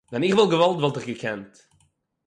ווען איך וואלט געוואלט וואלט איך געקענט